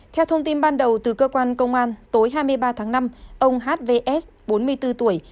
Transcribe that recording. theo thông tin ban đầu từ cơ quan công an tối hai mươi ba tháng năm ông hvs bốn mươi bốn tuổi